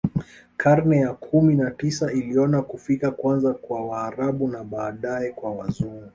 Karne ya kumi na tisa iliona kufika kwanza kwa Waarabu na baadae kwa Wazungu